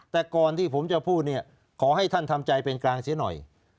แต่ก่อนที่ผมจะพูดเนี่ยขอให้ท่านทำใจเป็นกลางเสียหน่อย